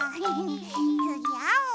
つぎあお！